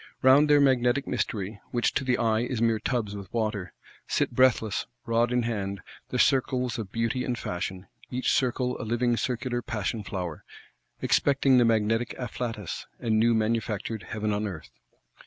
Round their Magnetic Mystery, which to the eye is mere tubs with water,—sit breathless, rod in hand, the circles of Beauty and Fashion, each circle a living circular Passion Flower: expecting the magnetic afflatus, and new manufactured Heaven on Earth.